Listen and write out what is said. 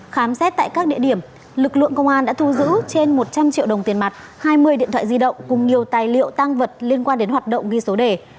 khám xét tại các địa điểm lực lượng công an đã thu giữ trên một trăm linh triệu đồng tiền mặt hai mươi điện thoại di động cùng nhiều tài liệu tăng vật liên quan đến hoạt động ghi số đề